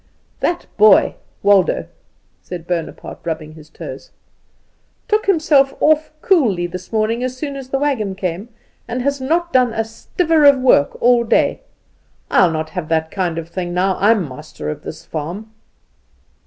"That boy Waldo," said Bonaparte, rubbing his toes, "took himself off coolly this morning as soon as the wagon came, and has not done a stiver of work all day. I'll not have that kind of thing now I'm master of this farm."